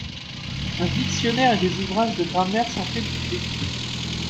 Un dictionnaire et des ouvrages de grammaire sont édités.